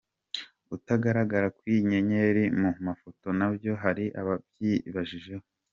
Ukutagaragara kw'inyenyeri mu mafoto nabyo hari ababyibajijeho.